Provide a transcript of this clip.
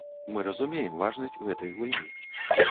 Мы разумеем важнасць гэтай гульні.